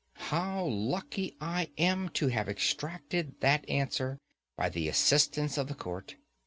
How lucky I am to have extracted that answer, by the assistance of the court!